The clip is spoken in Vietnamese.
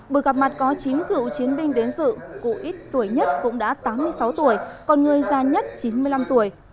bữa gặp mặt có chín cựu chiến binh đến dự cựu ít tuổi nhất cũng đã tám mươi sáu tuổi còn người già nhất chín mươi năm tuổi